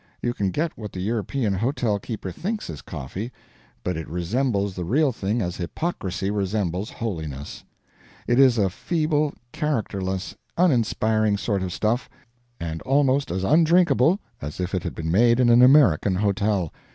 You can get what the European hotel keeper thinks is coffee, but it resembles the real thing as hypocrisy resembles holiness. It is a feeble, characterless, uninspiring sort of stuff, and almost as undrinkable as if it had been made in an American hotel.